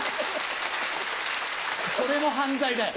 それも犯罪だよ。